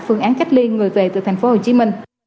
phương án cách ly người về từ tp hcm